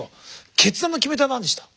決断の決め手は何でした？